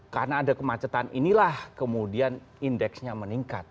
karena ada kemacetan inilah kemudian indeksnya meningkat